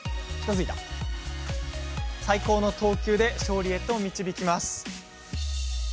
最高の投球で勝利へと導きます。